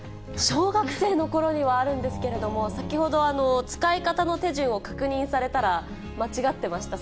小学生のころにはあるんですけれども、先ほど使い方の手順を確認されたら、間違ってました。